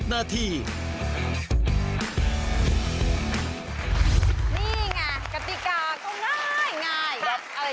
นี่ไงกติกาก็ง่าย